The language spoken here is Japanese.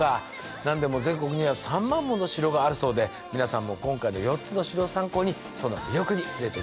何でも全国には３万もの城があるそうで皆さんも今回の４つの城を参考にその魅力に触れてみてはいかがでしょうか。